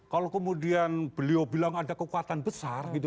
kalau kemudian beliau bilang ada kekuatan besar gitu